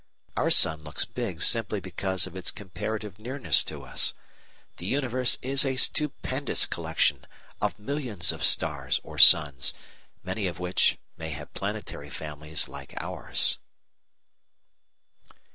_ Our sun looks big simply because of its comparative nearness to us. The universe is a stupendous collection of millions of stars or suns, many of which may have planetary families like ours.